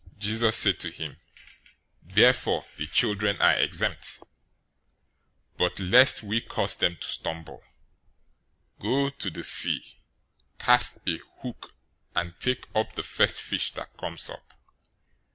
Jesus said to him, "Therefore the children are exempt. 017:027 But, lest we cause them to stumble, go to the sea, cast a hook, and take up the first fish that comes up.